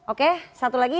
oke satu lagi